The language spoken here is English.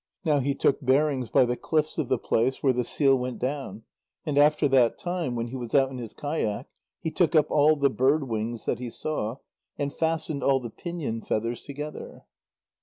Now he took bearings by the cliffs of the place where the seal went down, and after that time, when he was out in his kayak, he took up all the bird wings that he saw, and fastened all the pinion feathers together.